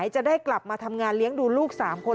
จะได้กลับมาทำงานเลี้ยงดูลูก๓คน